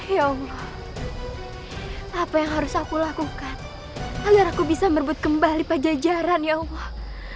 ya apa yang harus aku lakukan agar aku bisa merebut kembali pajajaran ya allah